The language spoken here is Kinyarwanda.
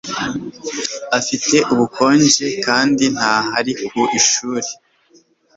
Afite ubukonje kandi ntahari ku ishuri